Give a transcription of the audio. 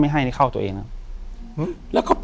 อยู่ที่แม่ศรีวิรัยิลครับ